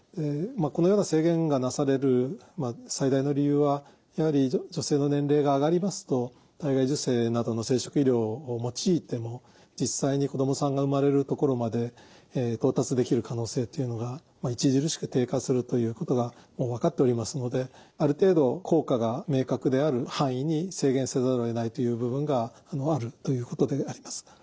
このような制限がなされる最大の理由はやはり女性の年齢が上がりますと体外受精などの生殖医療を用いても実際に子どもさんが生まれるところまで到達できる可能性というのが著しく低下するということがもう分かっておりますのである程度効果が明確である範囲に制限せざるをえないという部分があるということであります。